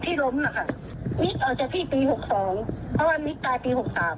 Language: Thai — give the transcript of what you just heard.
พี่ล้มอะค่ะนี่อาจจะพี่ปีหกสองเพราะว่านี่ตายปี